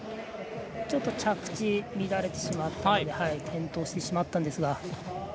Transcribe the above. ちょっと着地乱れてしまったので転倒してしまったんですが。